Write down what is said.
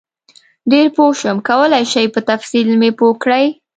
ډېر پوه شم کولای شئ په تفصیل مې پوه کړئ؟